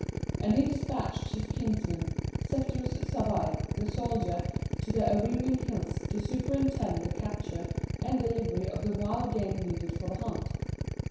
And he despatched his kinsman Septimus Zabbai, the soldier, to the Armenian hills to superintend the capture and delivery of the wild game needed for the hunt.